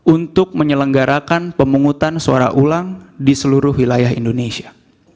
untuk menyelenggarakan pemungutan suara ulang di seluruh wilayah indonesia